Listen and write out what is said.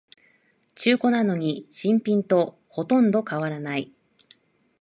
中古なのに新品とほとんど変わらない